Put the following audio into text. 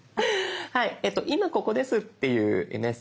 はい今ここですっていうメッセージと。